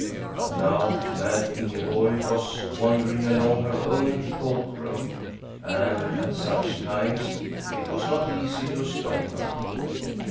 But now Mad Ingeborg was wandering along her own thought road and at such times it was not easy to stop her.